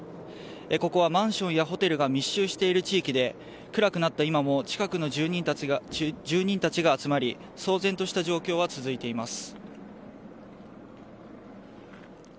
ここはマンションやホテルが密集している地域で暗くなった今も近くの住人たちが集まり騒然とした状況は続いています。